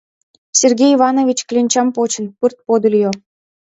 — Сергей Иванович, кленчам почын, пырт подыльо.